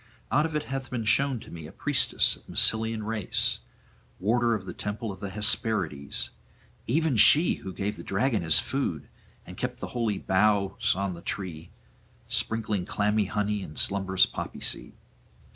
Out of it hath been shown to me a priestess of Massylian race, warder of the temple of the Hesperides, even she who gave the dragon his food, and kept the holy boughs on the tree, sprinkling clammy honey and slumberous poppy seed.